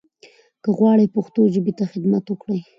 که غواړٸ پښتو ژبې ته خدمت وکړٸ